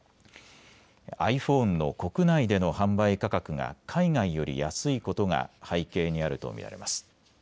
ｉＰｈｏｎｅの国内での販売価格が海外より安いことが背景にあると見られます。